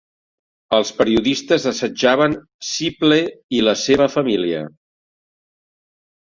Els periodistes assetjaven Sipple i la seva família.